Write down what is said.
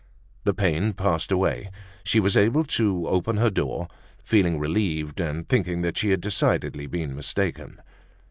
The pain passed away; she was able to open her door, feeling relieved, and thinking that she had decidedly been mistaken.